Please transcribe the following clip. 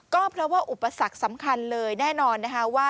ก็เพราะว่าอุปสรรคสำคัญเลยแน่นอนนะคะว่า